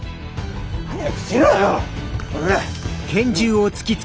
早くしろよ！